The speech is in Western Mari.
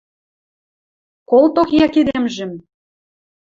— Колток йӓ кидемжӹм